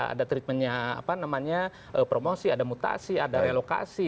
ada treatmentnya promosi ada mutasi ada relokasi